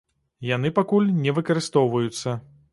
Яны пакуль не выкарыстоўваюцца.